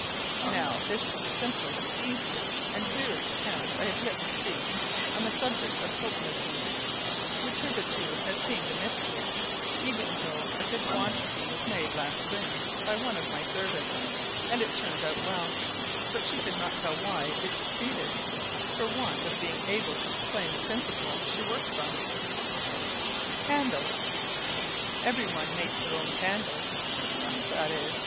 Now, this is the simplest, easiest, and clearest account I have yet received on the subject of soap making, which hitherto has seemed a mystery, even though a good quantity was made last spring by one of my servants, and it turned out well: but she could not tell why it succeeded, for want of being able to explain the principle she worked from. CANDLES. Every one makes their own candles (i.e.